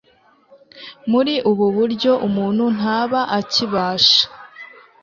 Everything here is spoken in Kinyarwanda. Muri ubu buryo umuntu ntaba akibasha